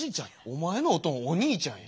お前のおとんお兄ちゃんや。